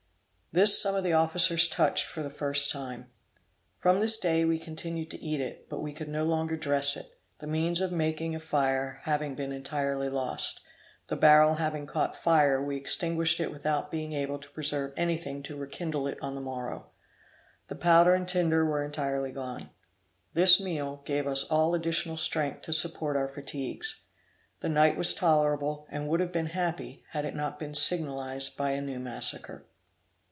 This some of the officers touched for the first time. From this day we continued to eat it; but we could no longer dress it, the means of making a fire having been entirely lost; the barrel having caught fire we extinguished it without being able to preserve anything to rekindle it on the morrow. The powder and tinder were entirely gone. This meal gave us all additional strength to support our fatigues. The night was tolerable, and would have been happy, had it not been signalized by a new massacre.